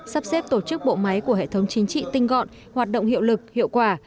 sắp xếp tổ chức bộ máy của hệ thống chính trị tinh gọn hoạt động hiệu lực hiệu quả